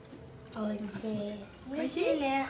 おいしいね。